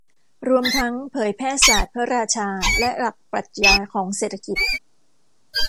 รวมทั้งเผยแพร่ศาสตร์พระราชาและหลักปรัชญาของเศรษฐกิจ